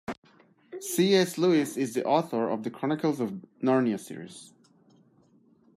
C.S. Lewis is the author of The Chronicles of Narnia series.